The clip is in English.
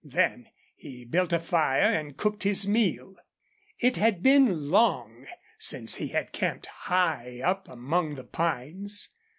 Then he built a fire and cooked his meal. It had been long since he had camped high up among the pines.